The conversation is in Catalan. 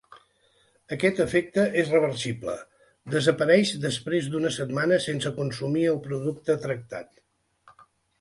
Aquest efecte és reversible, desapareix després d’una setmana sense consumir el producte tractat.